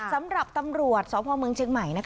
สำหรับตำรวจสพเมืองเชียงใหม่